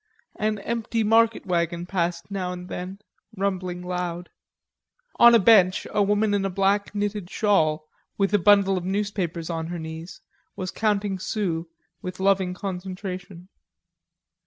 An empty market wagon passed now and then, rumbling loud. On a bench a woman in a black knitted shawl, with a bundle of newspapers in her knees, was counting sous with loving concentration.